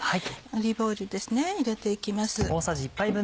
オリーブオイルですね入れて行きます。